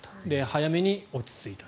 早めに落ち着いた。